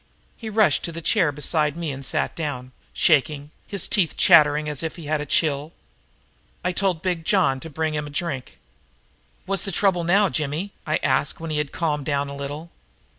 He rushed to the chair beside me and sat down, shaking, his teeth chattering as if he had a chill. I told Big John to bring him a drink. "What's the trouble now, Jimmy?" I asked him when he'd calmed down a little.